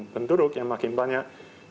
penduduk yang makin banyak